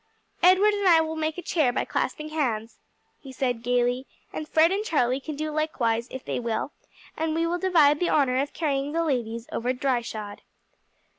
"Edward and I will make a chair by clasping hands," he said gayly, "and Fred and Charlie can do likewise if they will, and we will divide the honor of carrying the ladies over dryshod."